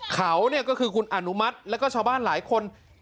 เขาเนี่ยก็คือคุณอนุมัติแล้วก็ชาวบ้านหลายคน